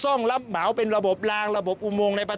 การตั้งเงื่อนไขผู้เข้าประมูลมีความขัดแย้งในส่วนคุณสมบัติดังกล่าวว่า